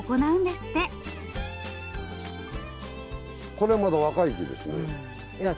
これまだ若い木ですね。